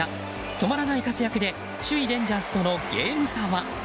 止まらない活躍で首位レンジャーズとのゲーム差は？